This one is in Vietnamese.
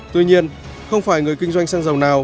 tuy nhiên không phải người kinh doanh xăng dầu nào